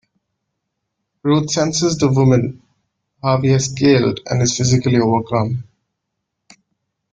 Ruth senses the women Harvey has killed and is physically overcome.